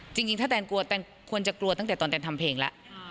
จริงถ้าแนนกลัวแตนควรจะกลัวตั้งแต่ตอนแนนทำเพลงแล้ว